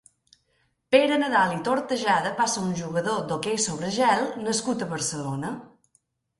Pere Nadal i Tortajada va ser un jugador d'hoquei sobre gel nascut a Barcelona.